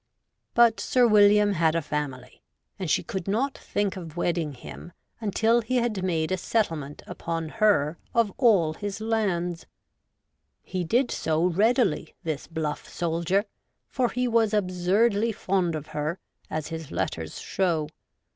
But Sir William had a family, and she could not think of wedding him until he had made a settlement upon her of all his lands. He did so readily, this bluff soldier ; for he was absurdly fond of her, as his letters show.